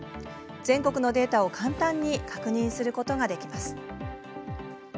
全国のデータを簡単に確認することができます。